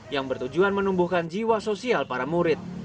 yang bertujuan menumbuhkan jiwa sosial para murid